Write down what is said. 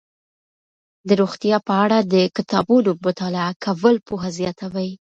د روغتیا په اړه د کتابونو مطالعه کول پوهه زیاتوي.